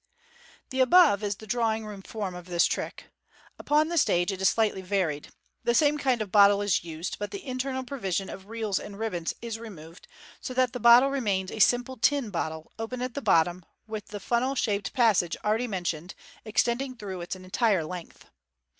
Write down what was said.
The above is the drawing room form of the trick. Upon the stage, it is slightly varied. The same kind of bottle is used, but the internal provision of reels and ribbons is removed, so that the bottle remains a simple tin bottle, open at the bottom, with the funnel shaped passage already mentioned extending through its entire length.